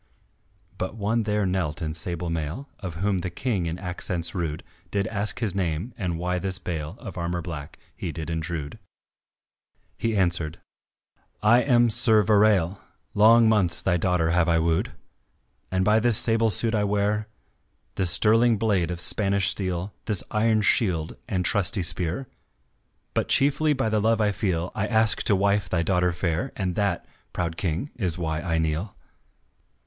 But one there knelt in sable mail Of whom the King in accents rude, Did ask his name, and why this bale Of armour black, he did intrude; He answered: "I am Sir Verale, Long months thy daughter have I wooed. And by this sable suit I wear, This sterling blade of Spanish steel, This iron shield and trusty spear, But chiefly by the love I feel, I ask to wife thy daughter fair And that, proud King, is why I kneel."